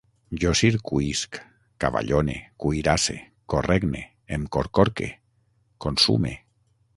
Jo circuïsc, cavallone, cuirasse, corregne, em corcorque, consume